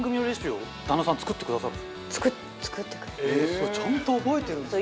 すごい！ちゃんと覚えてるんですね。